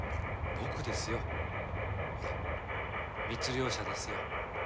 僕ですよほら密猟者ですよ。